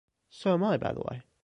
So am I, by the way.